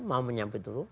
mau menyebut dulu